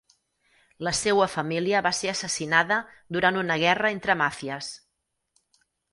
La seua família va ser assassinada durant una guerra entre màfies.